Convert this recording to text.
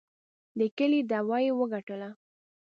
د کلي دعوه یې وګټله.